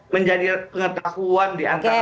menjadi pengetahuan diantara teman teman yang ada disini